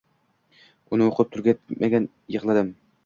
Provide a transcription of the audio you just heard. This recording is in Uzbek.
Uni oʻqib tugatarkanman yig'ladim